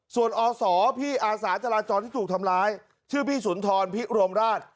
ส่วนอศพี่อาสาจราจรที่ถูกทำร้ายชื่อพี่สุนทรพิรมราช